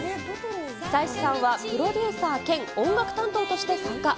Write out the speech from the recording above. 久石さんは、プロデューサー兼音楽担当として参加。